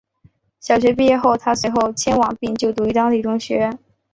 小学毕业后她随后迁往并且于当地就读中学。